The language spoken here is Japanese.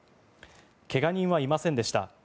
怪我人はいませんでした。